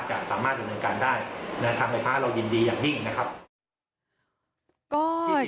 จะสามารถดำเนินการได้ทางไฟฟ้าเรายินดีอย่างยิ่งนะครับ